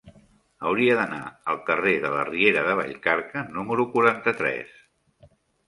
Hauria d'anar al carrer de la Riera de Vallcarca número quaranta-tres.